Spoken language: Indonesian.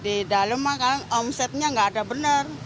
di dalam omsetnya nggak ada benar